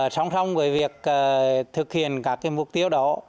xong xong với việc thực hiện các mục tiêu đó